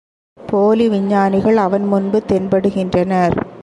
போலி விஞ்ஞானிகள் அவன் முன்பு தென்படுகின்றனர்.